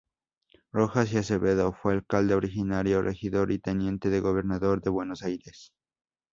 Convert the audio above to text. Rojas y Acevedo fue alcalde ordinario, regidor y teniente de gobernador de Buenos Aires.